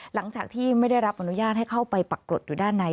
หลังจากที่ไม่ได้รับอนุญาตให้เข้าไปปรากฏอยู่ด้านใน